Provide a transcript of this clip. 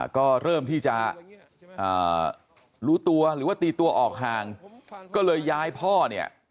ก็เริ่มที่จะรู้ตัวหรือว่าตีตัวออกห่างก็เลยย้ายพ่อเนี่ย